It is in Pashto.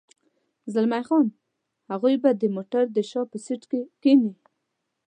زلمی خان: هغوی به د موټر د شا په سېټ کې کېني.